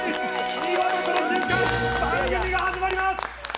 見事この瞬間、番組が始まります。